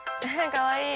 かわいい。